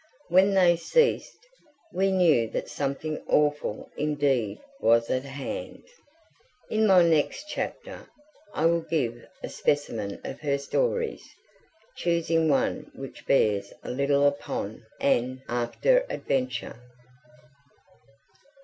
When they ceased, we knew that something awful indeed was at hand. In my next chapter I will give a specimen of her stories, choosing one which bears a little upon an after adventure.